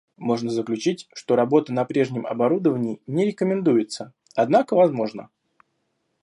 Можно заключить что работа на прежнем оборудовании не рекомендуется, однако возможна